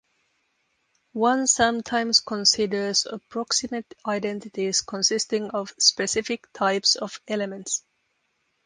One sometimes considers approximate identities consisting of specific types of elements.